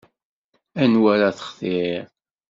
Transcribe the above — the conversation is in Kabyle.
Anwa ara textir?